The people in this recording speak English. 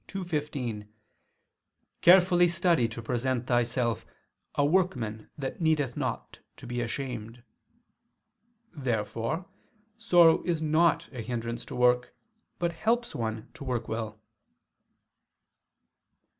2:15): "Carefully study to present thyself ... a workman that needeth not to be ashamed." Therefore sorrow is not a hindrance to work, but helps one to work well.